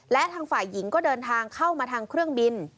และทางฝ่ายหญิงก็เดินทางเข้ามาทางเครื่องบิน